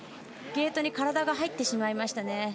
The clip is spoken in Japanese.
ゲートに体が入ってしまいました。